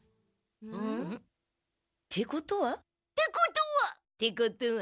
ん？ってことは。ってことは。ってことは。